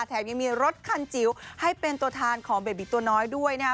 แถมยังมีรถคันจิ๋วให้เป็นตัวแทนของเบบีตัวน้อยด้วยนะครับ